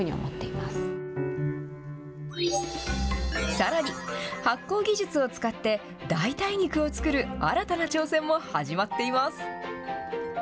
さらに、発酵技術を使って、代替肉を作る新たな挑戦も始まっています。